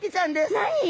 何！？